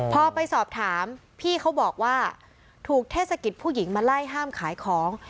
พอไปสอบถามพี่เขาบอกว่าถูกเทศกิจผู้หญิงมาไล่ห้ามขายของ